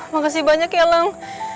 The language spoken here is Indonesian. makasih banyak ya lang